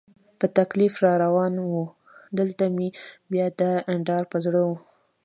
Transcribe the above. په تکلیف را روان و، دلته مې بیا دا ډار په زړه.